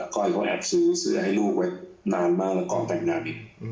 ก้อยเขาแอบซื้อเสื้อให้ลูกไว้นานมากแล้วก็แต่งงานอีก